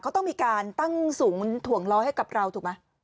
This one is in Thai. เขาต้องมีการตั้งศูนย์ถ่วงล้อให้กับเราถูกไหม